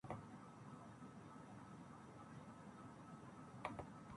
کہ بر فتراک صاحب دولتے بستم سر خود را